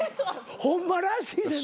ホンマらしいねん。